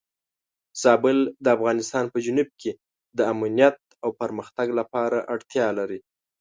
زابل د افغانستان په جنوب کې د امنیت او پرمختګ لپاره اړتیا لري.